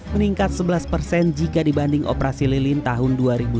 meningkat sebelas persen jika dibanding operasi lilin tahun dua ribu dua puluh